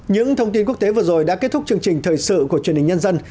những thông tin quốc tế vừa rồi đã kết thúc chương trình thời sự của truyền hình nhân dân